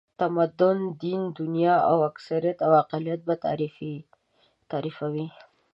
تمدن، دین، دنیا او اکثریت او اقلیت به تعریفوي.